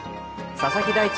佐々木大地